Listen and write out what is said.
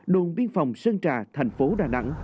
đồn biên phòng sơn trà thành phố đà nẵng